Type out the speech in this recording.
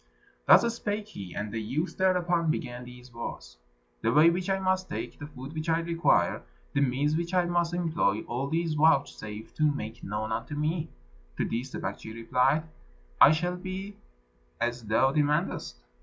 Thus spake he, and the youth thereupon began these words: "The way which I must take, the food which I require, the means which I must employ, all these vouchsafe to make known unto me." To this the Baktschi replied, "It shall be as thou demandest.